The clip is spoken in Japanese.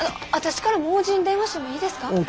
あの私からも大叔父に電話してもいいですか？